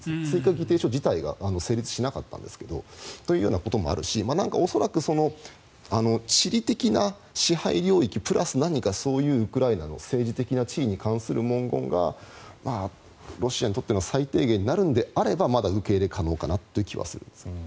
追加議定書自体が成立しなかったんですがということもあるし恐らく地理的な支配領域プラス何かそういうウクライナの政治的な地位に関する文言がロシアにとっての最低限になるのであればまだ受け入れ可能かなという気はするんです。